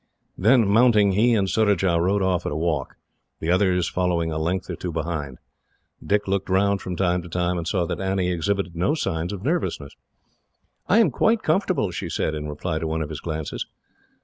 Then, mounting, he and Surajah rode off at a walk, the others following a length or two behind them. Dick looked round, from time to time, and saw that Annie exhibited no signs of nervousness. "I am quite comfortable," she said, in reply to one of his glances.